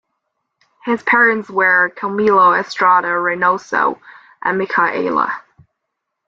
His parents were Camilo Estrada Reynoso and Micaela.